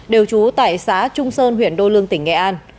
đều trú tại xã trung sơn huyện đô lương tỉnh nghệ an